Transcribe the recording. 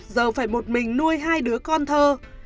giờ phải một mình nuôi hai đứa con thơ